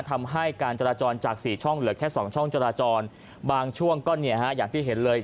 ทำให้การจราจรจากสี่ช่องเหลือแค่สองช่องจราจรบางช่วงก็เนี่ยฮะอย่างที่เห็นเลย